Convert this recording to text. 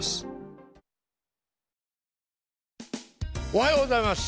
おはようございます！